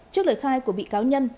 trước lời khai của bị cáo nhân